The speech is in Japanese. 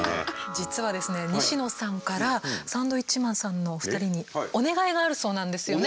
実はですね西野さんからサンドウィッチマンさんのお二人にお願いがあるそうなんですよね？